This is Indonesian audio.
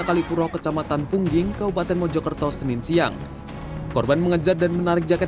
kalipuro kecamatan pungging kabupaten mojokerto senin siang korban mengejar dan menarik jaket